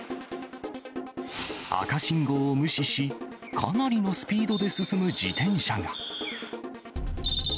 赤信号を無視し、かなりのスピードで進む自転車が。